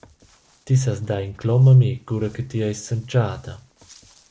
Ti sas dar in clom a mi cura che ti eis semtgada.